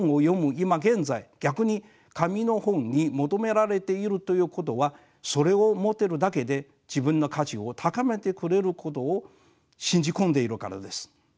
今現在逆に紙の本に求められているということはそれを持ってるだけで自分の価値を高めてくれることを信じ込んでいるからです。